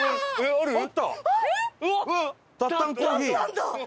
あった！